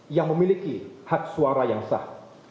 yang memiliki hak suara yang sah